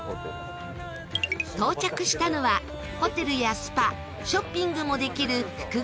到着したのは、ホテルやスパショッピングもできる複合型施設